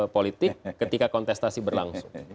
politik ketika kontestasi berlangsung